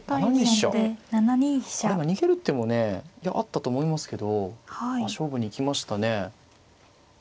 今逃げる手もねあったと思いますけど勝負に行きましたね。